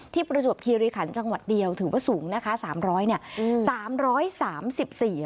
ประจวบคีรีขันจังหวัดเดียวถือว่าสูงนะคะ๓๐๐เนี่ย